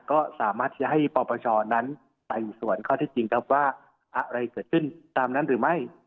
ก็สามารถที่จะให้ปปชนั้นไต่สวนข้อที่จริงครับว่าอะไรเกิดขึ้นตามนั้นหรือไม่